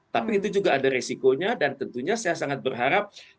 tapi itu juga ada resikonya dan tentunya saya sangat berharap